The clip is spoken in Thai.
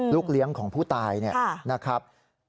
ลูกเลี้ยงของผู้ตายเนี่ยนะครับ